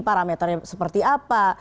parameternya seperti apa